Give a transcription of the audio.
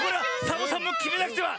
サボさんもきめなくては！